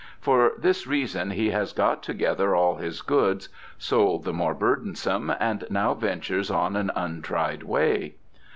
For this reason he has got together all his goods, sold the more burdensome, and now ventures on an untried way."